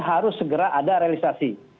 harus segera ada realisasi